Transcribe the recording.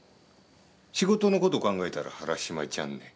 仕事の事考えたら原島ちゃんね。